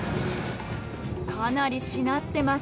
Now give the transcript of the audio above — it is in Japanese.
かなりしなってます